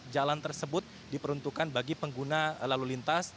jalan tersebut diperuntukkan bagi pengguna lalu lintas